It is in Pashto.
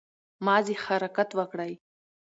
مازې حرکت وکړٸ